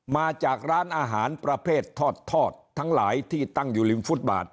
มาจากร้านอาหารประเภททอดทั้งหลายที่ตั้งอยู่ริมฟุตบาท